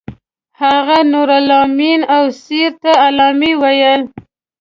هغه نورالامین او اسیر ته علامه ویل.